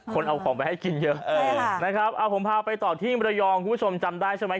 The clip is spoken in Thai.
คนเอาของไปให้กินเยอะนะครับเอาผมพาไปต่อที่มรยองคุณผู้ชมจำได้ใช่ไหม